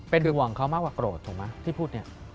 เป็นห่วงเขามากกว่าโกรธถูกไหมที่พูดเนี่ย